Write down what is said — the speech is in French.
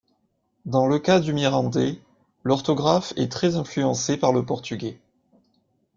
Dans le cas du mirandais, l'orthographe est très influencée par le portugais.